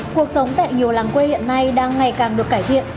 cuộc sống tại nhiều làng quê hiện nay đang ngày càng được cải thiện